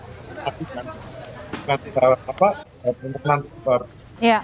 kita akan mencari dampak kita akan mencari dampak